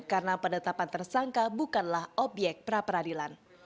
karena penetapan tersangka bukanlah obyek peraparadilan